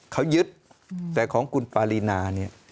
เขายึดแต่ของคุณปริณา